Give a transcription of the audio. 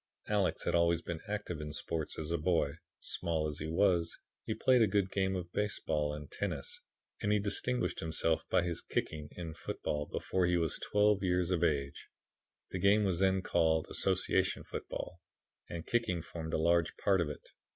Alex had always been active in sport as a boy. Small as he was, he played a good game of baseball and tennis and he distinguished himself by his kicking in football before he was twelve years of age. The game was then called Association Football, and kicking formed a large part of it.